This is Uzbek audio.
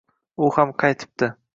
U ham qaytibdi